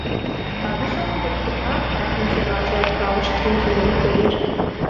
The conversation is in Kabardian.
Абы щыгъуэм къызгурыӀуат къафэм си гъащӀэр епхауэ щытыну сызэрыхуейр.